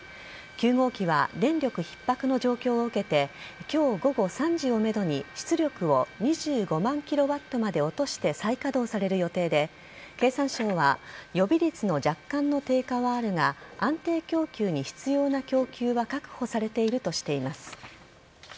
９号機は電力ひっ迫の状況を受けて今日午後３時をめどに出力を２５万キロワットまで落として再稼働される予定で経産省は予備率の若干の低下はあるが安定供給に必要な供給は確保されているとしています。